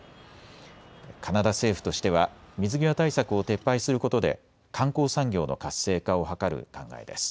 カナダ政府としては水際対策を撤廃することで観光産業の活性化を図る考えです。